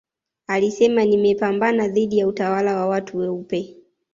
alisema nimepambana dhidi ya utawala wa watu weupe